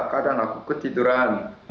kadang aku ketiduran